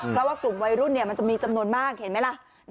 เพราะว่ากลุ่มวัยรุ่นมันจะมีจำนวนมากเห็นไหมล่ะ